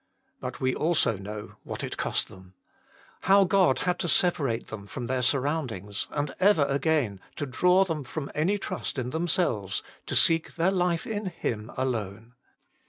But we also know what it cost them ; how God had to separate them from their surroundings, and ever again to draw them from any trust in themselves, to seek their life in Him alone.